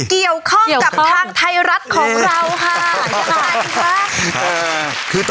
มีความเกี่ยวข้องกับทางไทยรัฐของเราค่ะ